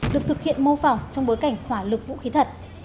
được thực hiện mô phỏng trong bối cảnh hỏa lực vũ khí thật